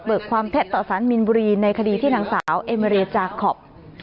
เบิกความเท็จต่อสารมินบุรีในคดีที่หนังสาวเอเมรียดจาร์คอล์ฟ